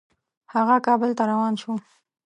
هغه کابل ته روان شو.